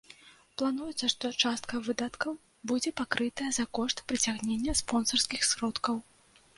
Плануецца, што частка выдаткаў будзе пакрытая за кошт прыцягнення спонсарскіх сродкаў.